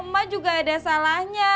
emak juga ada salahnya